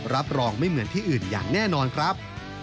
รับรองไม่เหมือนที่อื่นอย่างแน่นอนครับ